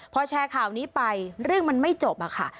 พอแชร์ข่าวนี้ไปเรื่องมันไม่จบอะค่ะ